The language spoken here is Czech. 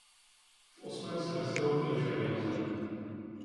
V osmém semestru byl však vyhozen.